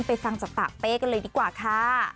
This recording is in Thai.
ฟังจากปากเป้กันเลยดีกว่าค่ะ